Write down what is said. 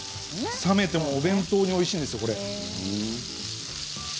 冷めてもお弁当においしいですよ、これ。